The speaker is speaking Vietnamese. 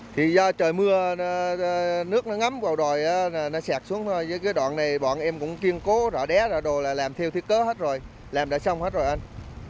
thì do trời mưa nước nó ngắm vào đồi nó sạt xuống rồi với cái đoạn này bọn em cũng kiên cố rõ đé ra đồ là làm theo thiết cơ hết rồi làm đã xong hết rồi anh